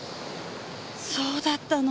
そうだったの。